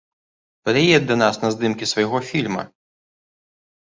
Прыедзь да нас на здымкі свайго фільма!